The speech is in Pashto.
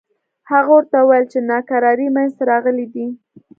هغه ورته وویل چې ناکراری منځته راغلي دي.